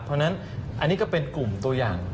เพราะฉะนั้นอันนี้ก็เป็นกลุ่มตัวอย่าง